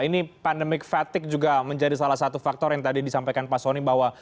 ini pandemik fatigue juga menjadi salah satu faktor yang tadi disampaikan pak soni bahwa